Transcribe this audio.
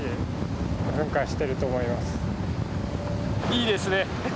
いいですね。